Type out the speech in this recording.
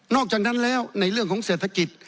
อกจากนั้นแล้วในเรื่องของเศรษฐกิจ